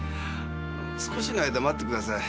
少しの間待ってください。